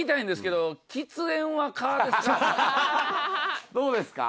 どうですか？